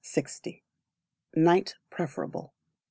Night Preferable.